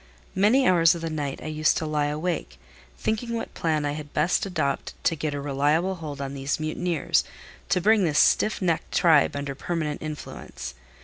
Many hours of the night I used to lie awake, thinking what plan I had best adopt to get a reliable hold on these mutineers, to bring this stiff necked tribe under permanent influence.